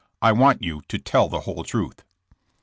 I want you to tell the whole truth.'